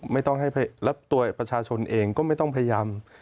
ไม่ต้องให้แล้วตัวประชาชนเองก็ไม่ต้องพยายาม